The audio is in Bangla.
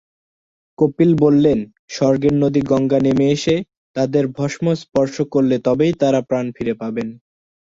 কপিল বললেন, স্বর্গের নদী গঙ্গা নেমে এসে তাঁদের ভস্ম স্পর্শ করলে তবেই তাঁরা প্রাণ ফিরে পাবেন।